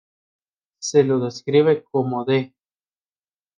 Se lo describe como de